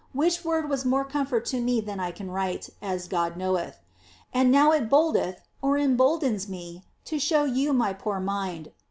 Which word was more comfort to me than I can write, as God knoweth. And now it boldeth ^emboldens) me to show you my poor mind.